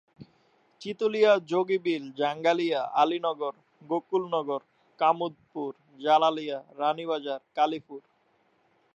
চিতলীয়া, Jogibil, Jangalia, Alinagar, Gokulnagar, কামুদপুর, Jalalia, Ranibazar, Kalipur.